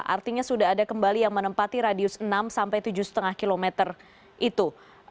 artinya sudah ada kembali yang menempati radius enam sampai tujuh lima km itu